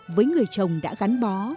với người chồng đã gắn bó